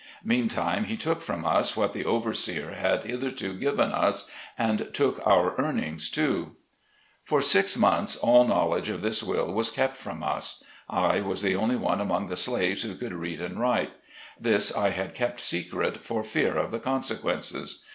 Meantime, he took from us what the overseer had hitherto given us, and took our earnings, too. FREEDOM. 25 For six months, all knowledge of this will was kept from us. I was the only one among the slaves who could read and write. This I had kept secret, for fear of the consequences.